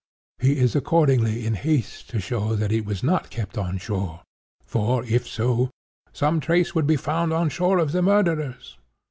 He is accordingly in haste to show that it was not kept on shore; for, if so, 'some trace would be found on shore of the murderers.